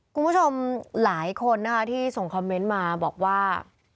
คุณผู้ชมหลายคนนะคะที่ส่งคอมเมนต์มาบอกว่า